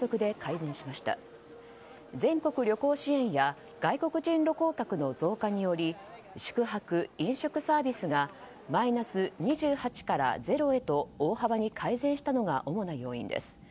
全国旅行支援や外国人旅行客の増加により宿泊・飲食サービスがマイナス２８から０へと大幅に改善したのが主な要因です。